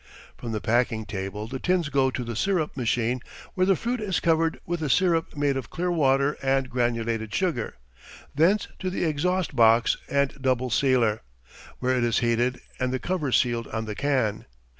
From the packing table the tins go to the syrup machine, where the fruit is covered with a syrup made of clear water and granulated sugar, thence to the exhaust box and double sealer, where it is heated and the cover sealed on the can.